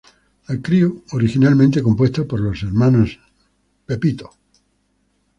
La crew, originalmente compuesta por los hermanos Mr.